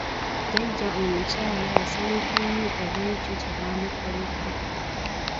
Jjaja omukyala yasanyuka nnyo olw'ekyo kye bamukoledde.